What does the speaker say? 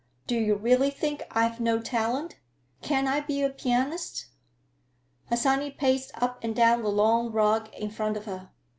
Do you really think I've no talent? Can't I be a pianist?" Harsanyi paced up and down the long rug in front of her.